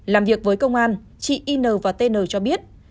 làm việc với công an chị in và tn cho biết